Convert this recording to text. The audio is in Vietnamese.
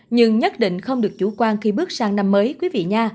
nhưng nhất định không được chủ quan khi bước sang năm mới